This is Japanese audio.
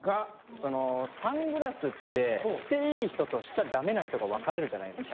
そのサングラスってしていい人としちゃダメな人が分かれるじゃないですか。